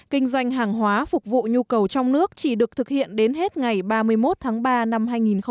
kinh doanh hàng hóa phục vụ nhu cầu trong nước chỉ được thực hiện đến hết ngày ba mươi một tháng ba năm hai nghìn hai mươi